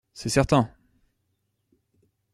C’est certain